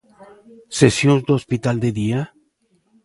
¿Sesións do hospital de día?